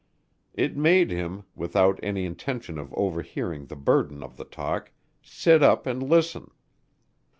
It made him without any intention of overhearing the burden of the talk sit up and listen.